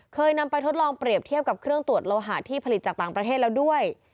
เคยนำไปทดลองเปรียบเทียบกับเครื่องตรวจโลหะที่ผลิตจากต่างประเทศแล้วด้วย